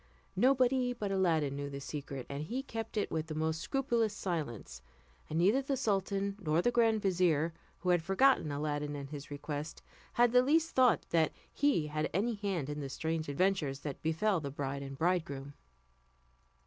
Nobody but Aladdin knew the secret, and he kept it with the most scrupulous silence; and neither the sultan nor the grand vizier, who had forgotten Aladdin and his request, had the least thought that he had any hand in the strange adventures that befell the bride and bridegroom.